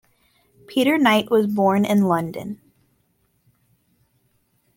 Peter Knight was born in London.